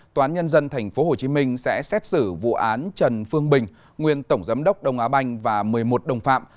tòa án nhân dân tp hcm sẽ xét xử vụ án trần phương bình nguyên tổng giám đốc đông á banh và một mươi một đồng phạm